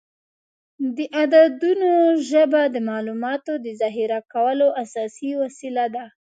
د عددونو ژبه د معلوماتو د ذخیره کولو اساسي وسیله ده.